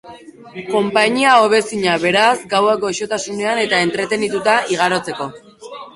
Konpainia hobezina, beraz, gauak goxotasunean eta entretenituta igarotzeko.